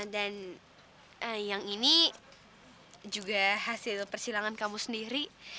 dan yang ini juga hasil persilangan kamu sendiri